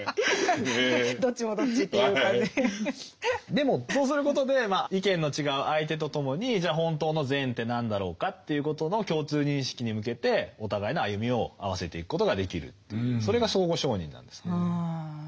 でもそうすることで意見の違う相手とともにじゃあ本当の善って何だろうかということの共通認識に向けてお互いの歩みを合わせていくことができるというそれが相互承認なんですね。